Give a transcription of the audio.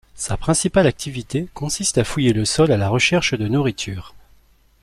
Sa principale activité consiste à fouiller le sol à la recherche de nourriture.